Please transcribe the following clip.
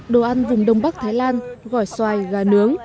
đồ ăn vùng đông bắc thái lan gỏi xoài gà nướng